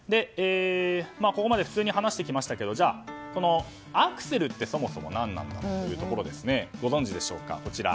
ここまで普通に話してきましたけどこのアクセルってそもそも何なのかというところご存じでしょうか。